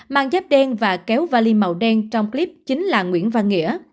mang giáp đen và kéo vali màu đen trong clip chính là nguyễn văn nghĩa